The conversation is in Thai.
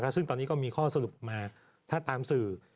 ซึ่งตอนนี้ก็มีข้อสรุปมาถ้าตามสื่อ